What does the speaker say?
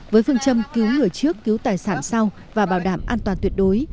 với phương châm cứu người trước cứu tài sản sau và bảo đảm an toàn tuyệt đối